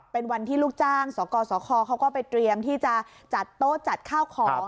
เป็นวันที่ลูกจ้างสกสคเขาก็ไปเตรียมที่จะจัดโต๊ะจัดข้าวของ